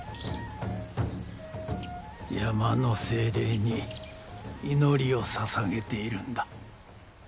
山の精霊に祈りをささげているんだ。